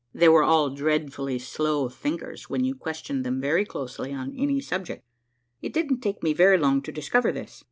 They were all dreadfully slow thinkers when you questioned them very closely upon any subject; It didn't take me very long to discover this.